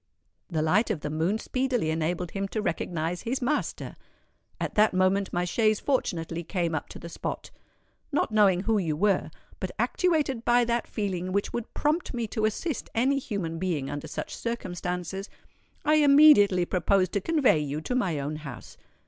The light of the moon speedily enabled him to recognise his master. At that moment my chaise fortunately came up to the spot. Not knowing who you were, but actuated by that feeling which would prompt me to assist any human being under such circumstances, I immediately proposed to convey you to my own house.